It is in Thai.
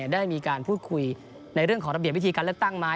ได้มีการพูดคุยในเรื่องของระเบียบวิธีการเลือกตั้งมา